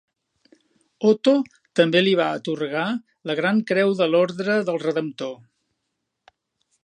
Otto també li va atorgar la Grand Creu de l'Ordre del Redemptor.